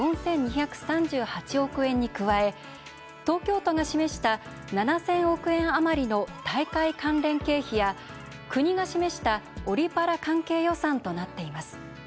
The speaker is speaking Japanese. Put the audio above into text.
１兆４２３８億円に加え東京都が示した７０００億円余りの大会関連経費や、国が示したオリパラ関係予算となっています。